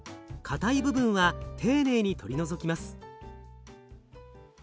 硬い部分は丁寧に取り除きます。